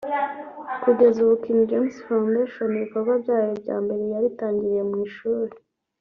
Kugeza ubu King James Foundation ibikorwa byayo bya mbere yabitangiriye mu ishuri ry’